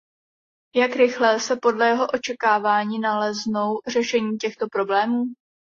Jak rychle se podle jeho očekávání naleznou řešení těchto problémů?